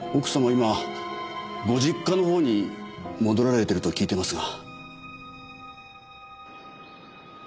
今ご実家の方に戻られてると聞いてますが。